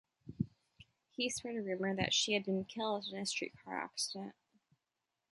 He spread a rumor that she had been killed in a streetcar accident.